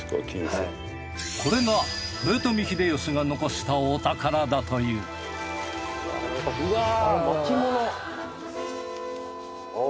これが豊臣秀吉が残したお宝だといううわぁ。